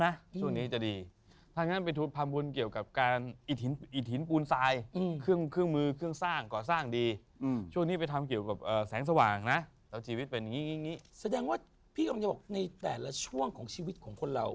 แสดงว่าเท่ากับหลังช่วงชีวิตของคนเรา